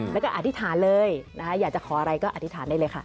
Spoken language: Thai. แล้วก็อฏิฐาเลยอยากจะขออะไรก็อฏิฐาได้เลย